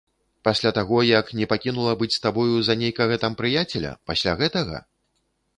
Пасля таго як не пакінула быць з табою за нейкага там прыяцеля, пасля гэтага?